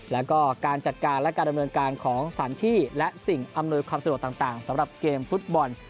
แล้วก็การจัดการและการดำเนินการของสถานที่และสิ่งอำนวยความสะดวกต่างสำหรับเกมฟุตบอล